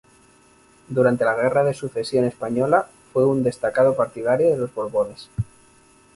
Durante la Guerra de Sucesión Española fue un destacado partidario de los Borbones.